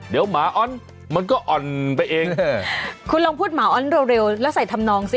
เดี๋ยวหมาอ้อนมันก็อ่อนไปเองคุณลองพูดหมาอ้อนเร็วแล้วใส่ทำนองสิ